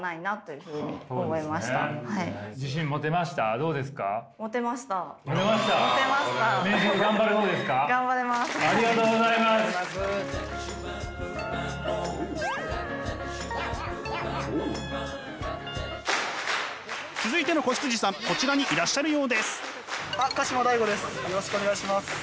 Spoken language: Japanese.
よろしくお願いします。